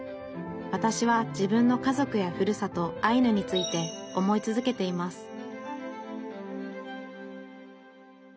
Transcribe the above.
わたしは自分の家族やふるさとアイヌについて思い続けています